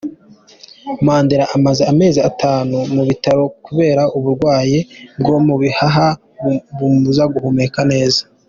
Mandela amaze amezi atatu mu bitaro kubera uburwayi bwo mu bihaha bumubuza guhumeka neza.